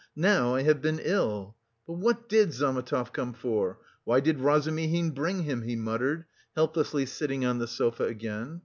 now I have been ill. But what did Zametov come for? Why did Razumihin bring him?" he muttered, helplessly sitting on the sofa again.